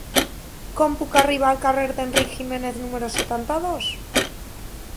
Com puc arribar al carrer d'Enric Giménez número setanta-dos?